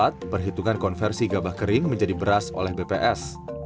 saat perhitungan konversi gabah kering menjadi beras oleh bps